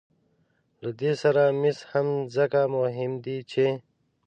له دې سره مس هم ځکه مهم دي چې